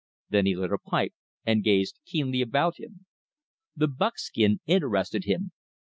Then he lit a pipe, and gazed keenly about him. The buckskin interested him.